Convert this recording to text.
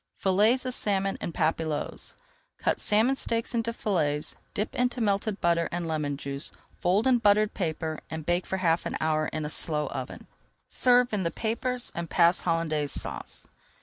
FILLETS OF SALMON EN PAPILLOTES Cut salmon steaks into fillets, dip into melted butter and lemon juice, fold in buttered paper, and bake for half an hour in a slow oven. Serve in the papers and pass Hollandaise Sauce.